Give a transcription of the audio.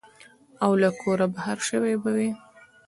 او له کوره بهر شوي به وي.